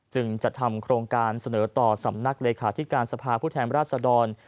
จึงจัดทำโครงการเสนอต่อสำนักเลขาธิการสภาพผู้แทนราชดร